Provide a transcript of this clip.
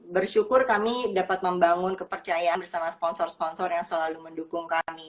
bersyukur kami dapat membangun kepercayaan bersama sponsor sponsor yang selalu mendukung kami